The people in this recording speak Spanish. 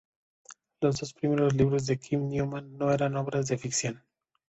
Los dos primeros libros de Kim Newman no eran obras de ficción.